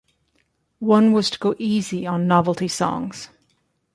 One was to go easy on novelty songs.